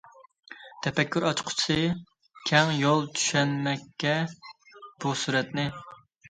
تەپەككۇر ئاچقۇسى كەڭ يول چۈشەنمەككە بۇ سۈرەتنى.